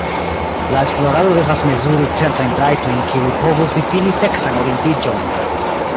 La esplorado devas mezuri certajn trajtojn kiuj povus difini seksan orientiĝon.